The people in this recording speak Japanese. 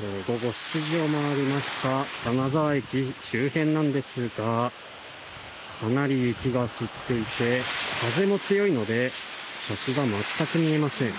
午後７時を回りました金沢駅周辺なんですがかなり雪が降っていて風も強いので先が全く見えません。